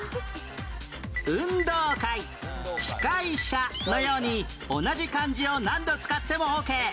「運動会」「司会者」のように同じ漢字を何度使ってもオーケー